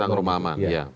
tentang rumah aman